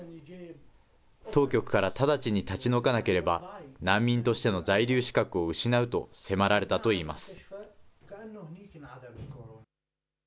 当局から直ちに立ち退かなければ、難民としての在留資格を失うと迫られたといいます。